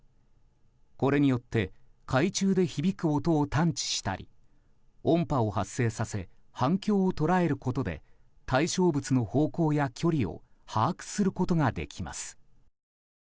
これによって海中で響く音を探知したり音波を発生させ反響を捉えることで対象物の方向や距離を把握することができます。